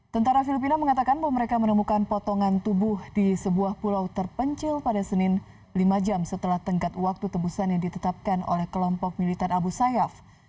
tentara filipina mengatakan bahwa mereka menemukan potongan tubuh di sebuah pulau terpencil pada senin lima jam setelah tengkat waktu tebusan yang ditetapkan oleh kelompok militan abu sayyaf